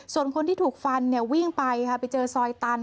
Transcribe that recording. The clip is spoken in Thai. ส่วนคนที่ถูกฟันวิ่งไปค่ะไปเจอซอยตัน